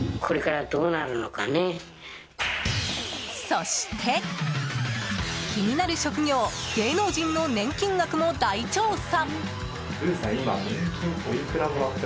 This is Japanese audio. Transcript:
そして、気になる職業芸能人の年金額も大調査！